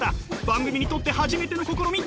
番組にとって初めての試み！